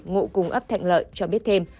ngụ cùng ấp thạnh lợi cho biết thêm